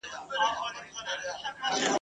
ما د الوداع په شپه د ګلو غېږ ته واستوه !.